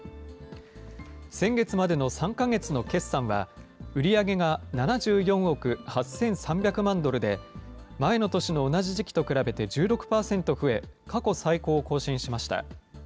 先月までの３か月の決算は、売り上げが７４億８３００万ドルで、前の年の同じ時期と比べて１６％増え、過去最高を更新しました。